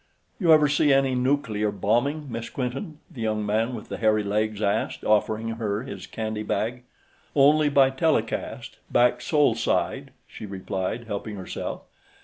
"You ever see any nuclear bombing, Miss Quinton?" the young man with the hairy legs asked, offering her his candy bag. "Only by telecast, back Sol side," she replied, helping herself.